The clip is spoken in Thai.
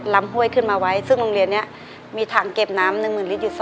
ในแคมเปญพิเศษเกมต่อชีวิตโรงเรียนของหนู